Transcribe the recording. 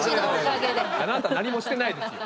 あなた何もしてないですよ。